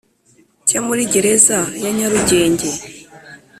Cye muri gereza ya nyarugenge